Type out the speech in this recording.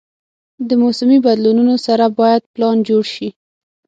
د موسمي بدلونونو سره باید پلان جوړ شي.